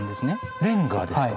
レンガですか？